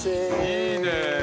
いいねえ。